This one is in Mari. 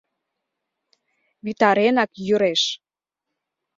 Витаренак йӱреш.